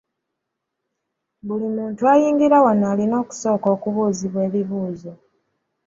Buli muntu ayingira wano alina okusooka okubuuzibwa ebibuuzo.